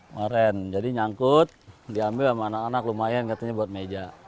kemarin jadi nyangkut diambil sama anak anak lumayan katanya buat meja